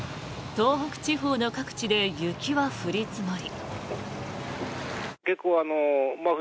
東北地方の各地で雪は降り積もり。